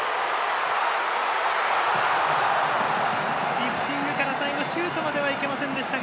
リフティングから最後シュートまでいけませんでしたが。